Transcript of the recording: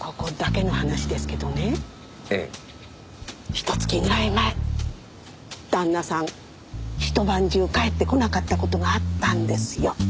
ひと月ぐらい前旦那さん一晩中帰ってこなかった事があったんですよ。